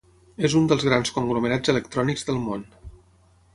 És un dels grans conglomerats electrònics del món.